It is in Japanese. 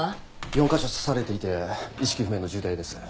４カ所刺されていて意識不明の重体です。